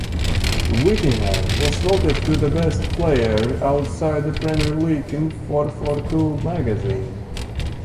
Whittingham was voted the best player outside the Premier League in FourFourTwo magazine.